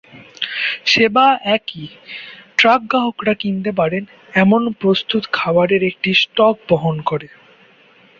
সেবা একই; ট্রাক গ্রাহকরা কিনতে পারেন এমন প্রস্তুত খাবারের একটি স্টক বহন করে।